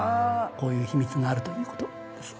こういう秘密があるという事です。